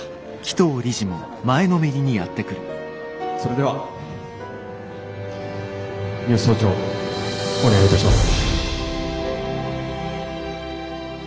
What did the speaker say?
それでは三芳総長お願いいたします。